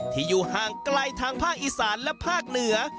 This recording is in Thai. อยู่ห่างไกลทางภาคอีสานและภาคเหนือ